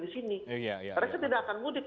di sini mereka tidak akan mudik